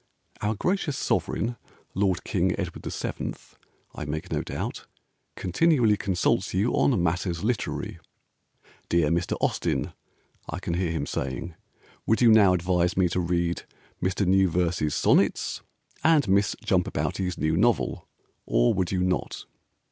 Our Gracious Sovereign Lord King Edward VII. (I make no doubt) Continually consults you on matters literary "Dear Mr. Austen" (I can hear him saying), "Would you now advise me to read Mr. Newverse's Sonnets And Miss Jumpabouti's new novel, Or would you not?"